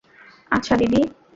আচ্ছা, দিদি।